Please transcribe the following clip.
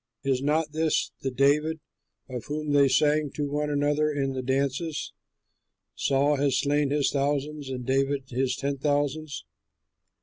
Is not this the David of whom they sang to one another in the dances: "'Saul has slain his thousands, And David his ten thousands?'"